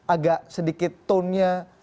agak sedikit tonenya